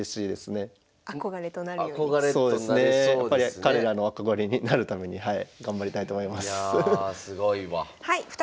彼らの憧れになるために頑張りたいと思います。